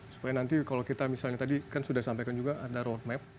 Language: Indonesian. supaya nanti kalau kita misalnya tadi kan sudah sampaikan juga ada roadmap